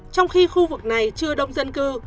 trong khi khu vực này chưa đông dân cư